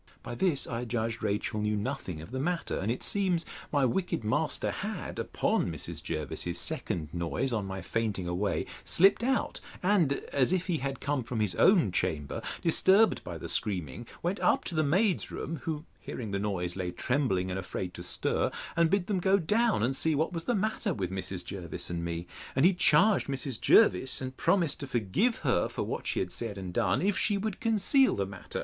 By this I judged Rachel knew nothing of the matter; and it seems my wicked master had, upon Mrs. Jervis's second noise on my fainting away, slipt out, and, as if he had come from his own chamber, disturbed by the screaming, went up to the maids' room, (who, hearing the noise, lay trembling, and afraid to stir,) and bid them go down, and see what was the matter with Mrs. Jervis and me. And he charged Mrs. Jervis, and promised to forgive her for what she had said and done, if she would conceal the matter.